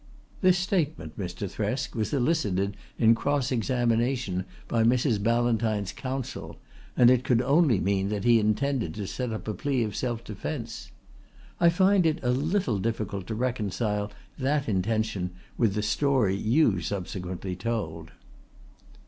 "' This statement, Mr. Thresk, was elicited in cross examination by Mrs. Ballantyne's counsel, and it could only mean that he intended to set up a plea of self defence. I find it a little difficult to reconcile that intention with the story you subsequently told."